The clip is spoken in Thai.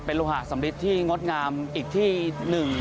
เป็นรูหาสำลิดที่งดงามอีกทีหนึ่ง